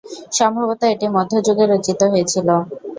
সম্ভবত এটি মধ্যযুগে রচিত হয়েছিল।